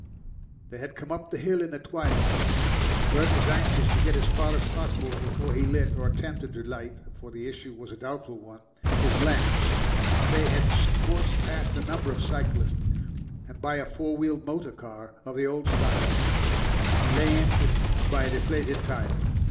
They had come up the hill in the twilight; Bert was anxious to get as far as possible before he lit or attempted to light, for the issue was a doubtful one his lamps, and they had scorched past a number of cyclists, and by a four wheeled motor car of the old style lamed by a deflated tyre.